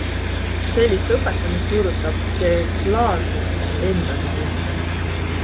Sellist õpetamist juurutab De Clercq endagi tundides.